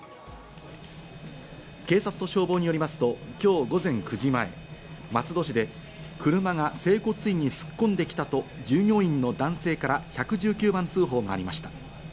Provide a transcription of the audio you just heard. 警察と消防によりますと今日午前９時前、松戸市で車が整骨院に突っ込んできたと従業員の男性から１１９番通報がありました。